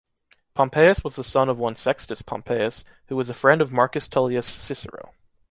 Pompeius was the son of one Sextus Pompeius, who was a friend of Marcus Tullius Cicero.